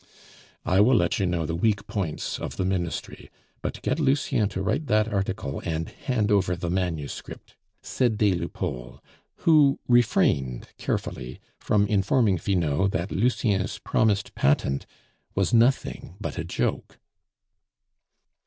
"I will let you know the weak points of the Ministry; but get Lucien to write that article and hand over the manuscript," said des Lupeaulx, who refrained carefully from informing Finot that Lucien's promised patent was nothing but a joke.